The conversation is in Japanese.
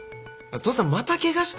お父さん指